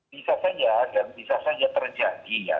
bisa saja dan bisa saja terjadi ya